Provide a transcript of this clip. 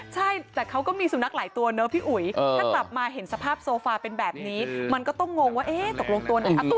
ใช่แต่เขาก็มีสุนัขหลายตัวเนอะพี่อุ๋ยถ้ากลับมาเห็นสภาพโซฟาเป็นแบบนี้มันก็ต้องงงว่าเอ๊ะตกลงตัวไหน